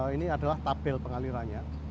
ini adalah tabel pengalirannya